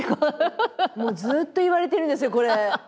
もうずっと言われてるんですよこれ。